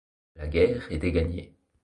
La guerre était gagnée.